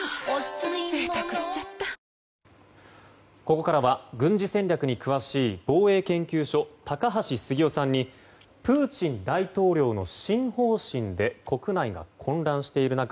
ここからは軍事戦略に詳しい、防衛研究所高橋杉雄さんにプーチン大統領の新方針で国内が混乱している中